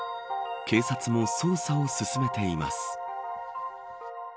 警察も捜査を進めています。